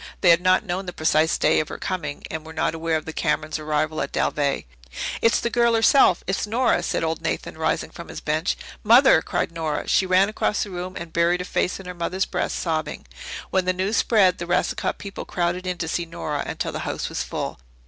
They had not known the precise day of her coming and were not aware of the Camerons' arrival at Dalveigh. "It's the girl herself. It's Nora," said old Nathan, rising from his bench. "Mother!" cried Nora. She ran across the room and buried her face in her mother's breast, sobbing. When the news spread, the Racicot people crowded in to see Nora until the house was full.